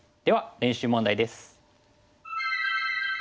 練習問題です。